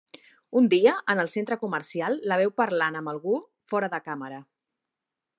Un dia, en el centre comercial, la veu parlant amb algú fora de càmera.